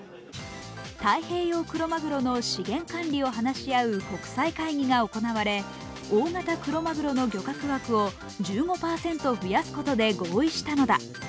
太平洋クロマグロの資源管理を話し合う国際会議が行われ、大型クロマグロの漁獲枠を１５％増やすことで合意したのだ。